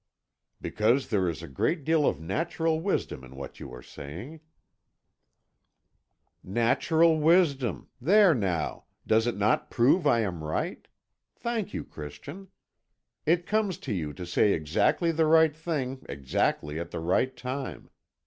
"Because there is a great deal of natural wisdom in what you are saying " "Natural wisdom! There now, does it not prove I am right? Thank you, Christian. It comes to you to say exactly the right thing exactly at the right time.